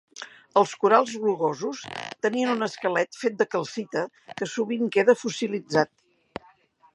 Els corals rugosos tenien un esquelet fet de calcita que sovint queda fossilitzat.